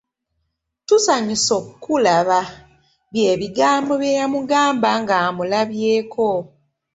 “Tusanyuse okukulaba” bye bigambo bye yamugamba nga amulabyeko.